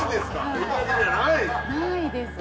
ないですね。